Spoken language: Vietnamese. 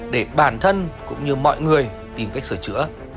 để bản thân cũng như mọi người tìm cách sửa chữa